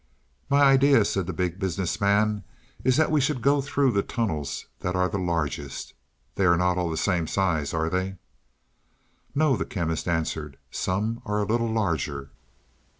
"My idea," said the Big Business man, "is that we should go through the tunnels that are the largest. They're not all the same size, are they?" "No," the Chemist answered; "some are a little larger."